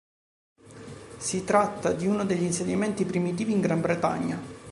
Si tratta di uno degli insediamenti primitivi in Gran Bretagna.